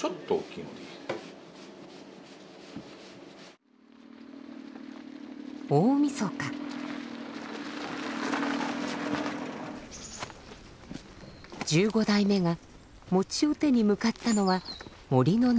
１５代目が餅を手に向かったのは森の中の山の神。